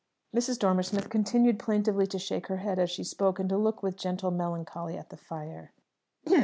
Mrs. Dormer Smith continued plaintively to shake her head as she spoke, and to look with gentle melancholy at the fire.